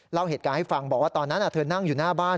เล่าเหตุการณ์ให้ฟังบอกว่าตอนนั้นเธอนั่งอยู่หน้าบ้าน